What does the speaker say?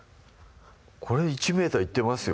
これ１ｍいってますよ